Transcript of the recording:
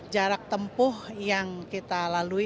jarak tempuh yang kita lalui